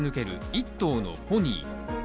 １頭のポニー。